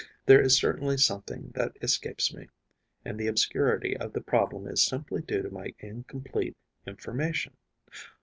There is certainly something that escapes me; and the obscurity of the problem is simply due to my incomplete information.